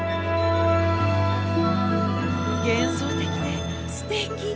幻想的ですてき。